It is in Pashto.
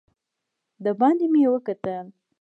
دباندې مې وکتل.